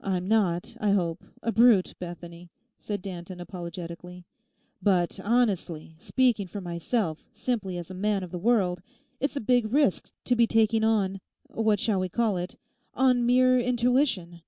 'I'm not, I hope, a brute, Bethany,' said Danton apologetically; 'but, honestly, speaking for myself, simply as a man of the world, it's a big risk to be taking on—what shall we call it?—on mere intuition.